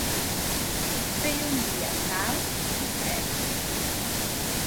Feia un dia calm i fred.